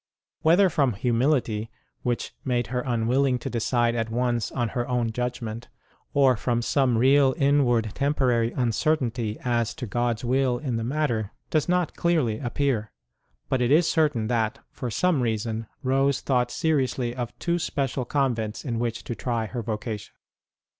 Whether from humility, which made her unwill ing to decide at once on her own judgment, or from some real inward temporary uncertainty as to God s will in the matter, does not clearly appear ; but it is certain that, for some reason, Rose thought seriously of two special convents in which to try her vocation.